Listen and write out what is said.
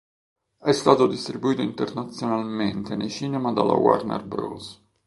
È stato distribuito internazionalmente nei cinema dalla Warner Bros.